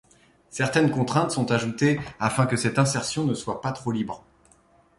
Certaines contraintes sont ajoutées afin que cette insertion ne soit pas trop libre.